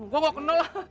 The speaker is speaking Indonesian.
gue ga kenal lah